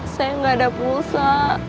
saya gak ada pulsa